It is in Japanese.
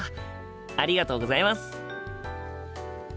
ありがとうございます。